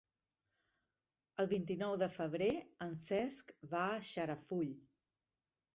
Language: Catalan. El vint-i-nou de febrer en Cesc va a Xarafull.